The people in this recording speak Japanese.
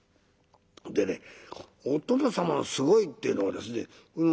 でねお殿様のすごいっていうのはですね